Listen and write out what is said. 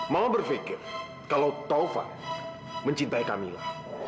mama berfikir kalau tofan mencintai kamila